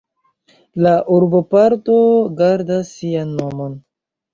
La urboparto gardas sian nomon.